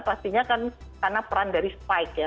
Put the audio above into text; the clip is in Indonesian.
pastinya kan karena peran dari spike ya